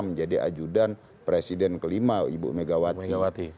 menjadi ajudan presiden kelima ibu megawati